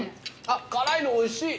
あっ辛いのおいしい。